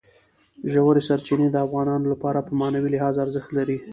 ژورې سرچینې د افغانانو لپاره په معنوي لحاظ ارزښت لري.